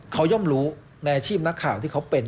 เขาย่อมรู้ในอาชีพนักข่าวที่เขาเป็น